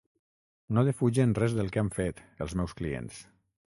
No defugen res del que han fet, els meus clients.